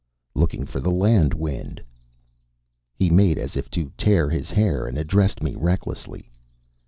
"Looking for the land wind." He made as if to tear his hair, and addressed me recklessly.